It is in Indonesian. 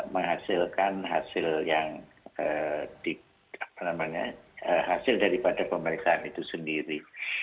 menghasilkan hasil yang di apa namanya hasil daripada pemeriksaan itu sendiri